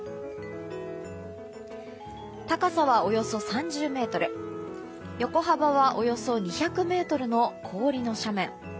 高さはおよそ３０ｍ横幅はおよそ２００ｍの氷の斜面。